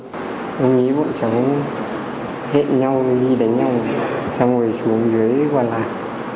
tôi nghĩ bọn cháu hẹn nhau đi đánh nhau xong rồi xuống dưới quần lại